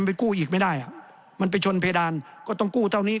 ไปกู้อีกไม่ได้อ่ะมันไปชนเพดานก็ต้องกู้เท่านี้